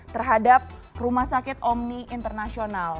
terhadap rumah sakit omni internasional